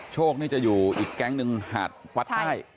โชคนี่จะอยู่อีกแก๊งหนึ่งหาดวัดใต้